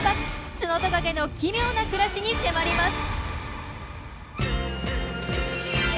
ツノトカゲの奇妙な暮らしに迫ります。